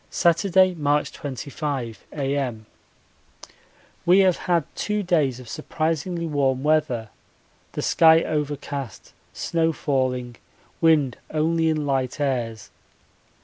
Saturday, March 25, A.M. We have had two days of surprisingly warm weather, the sky overcast, snow falling, wind only in light airs.